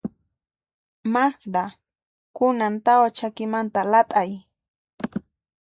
Magda, kunan tawa chakimanta lat'ay.